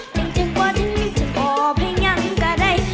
จริงจริงป่อจริงนิ่งจริงป่อพี่ยังก็ได้